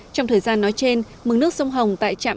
trong thời gian nói trên mừng nước sông hồng tại trạm